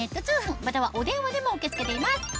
通販またはお電話でも受け付けています